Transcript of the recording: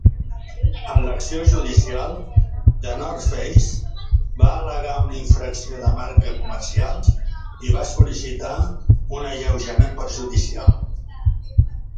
En l'acció judicial, The North Face va al·legar una infracció de marca comercials i va sol·licitar un alleujament perjudicial.